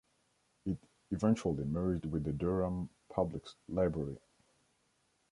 It eventually merged with the Durham Public Library.